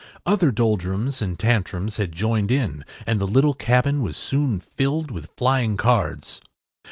Other Doldrums and Tantrums had joined in and the little cabin was soon filled with flying cards.